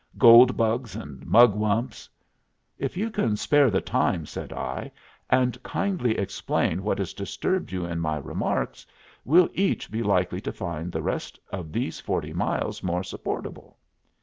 Gold bugs and mugwumps " "If you can spare the time," said I, "and kindly explain what has disturbed you in my remarks, we'll each be likely to find the rest of these forty miles more supportable."